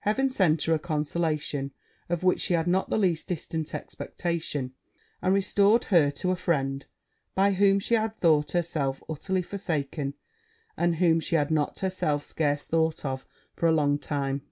Heaven sent her a consolation of which she had not the least distant expectation, and restored her to a friend, by whom she had thought herself utterly forsaken, and whom she had not herself scarce thought of for a long time.